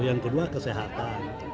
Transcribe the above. yang kedua kesehatan